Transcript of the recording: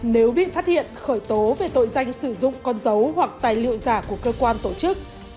nếu bị phát hiện khởi tố về tội danh sử dụng con dấu hoặc tài liệu giả của cơ quan tổ chức